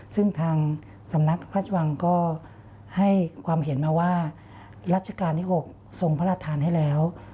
ซึ่งทางสำนักพระราชวังก็ให้ความเห็นมาว่ารัชกาลที่๖ทรงพระราชทานให้แล้ว